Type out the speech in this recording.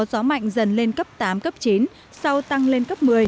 gió mạnh dần lên cấp tám cấp chín sau tăng lên cấp một mươi